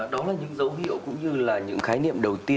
đó là những dấu hiệu cũng như là những khái niệm đầu tiên